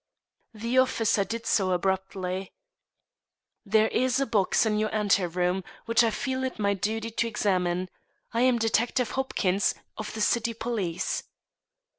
The officer did so abruptly. "There is a box in your ante room which I feel it my duty to examine. I am Detective Hopkins, of the city police."